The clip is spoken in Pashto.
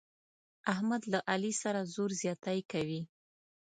احمد له علي سره زور زیاتی کوي.